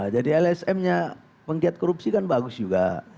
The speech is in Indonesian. jadi lsm nya penggiat korupsi kan bagus juga